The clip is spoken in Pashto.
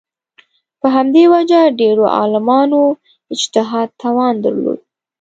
په همدې وجه ډېرو عالمانو اجتهاد توان درلود